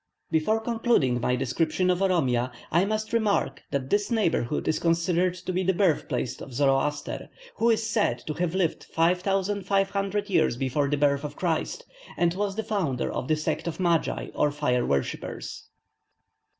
Before concluding my description of Oromia, I must remark that this neighbourhood is considered to be the birth place of Zoroaster, who is said to have lived 5,500 years before the birth of Christ, and was the founder of the sect of Magi, or fire worshippers.